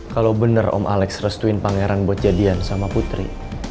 kalau bener om alex restuin pangeran buat jadian sama putri